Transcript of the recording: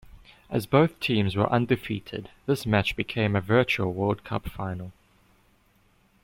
As both teams were undefeated this match became a virtual World Cup final.